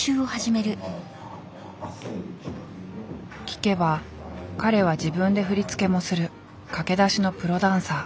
聞けば彼は自分で振り付けもする駆け出しのプロダンサー。